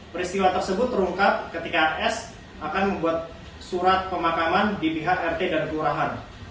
peristiwa tersebut terungkap ketika s akan membuat surat pemakaman di pihak rt dan kelurahan